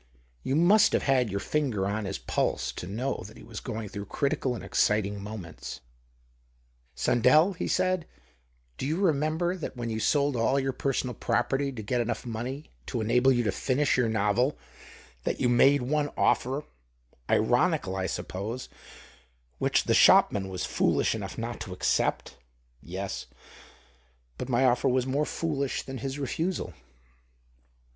You must have had your finger on his pulse to know that he was going through critical and exciting moments, " Sandell," he said, " do you remember that when you sold all your personal property, to get enough money to enable you to finish your novel, that you made one offer — ironical, I suppose — which the shopman was foolish enough not to accept." " Yes. But my offer was more foolish than his refusal."